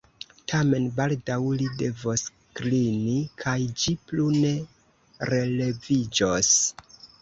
Tamen baldaŭ li devos klini, kaj ĝi plu ne releviĝos.